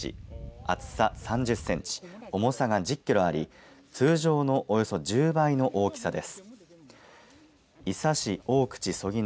厚さ３０センチ重さが１０キロあり通常のおよそ１０倍の大きさです。